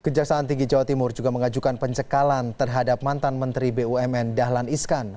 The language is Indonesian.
kejaksaan tinggi jawa timur juga mengajukan pencekalan terhadap mantan menteri bumn dahlan iskan